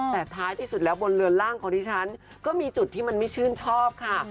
แต่ท้ายที่สุดแล้วบนเรือนล่างของดิฉันก็มีจุดที่มันไม่ชื่นชอบค่ะ